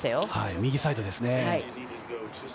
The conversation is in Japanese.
右サイドですね。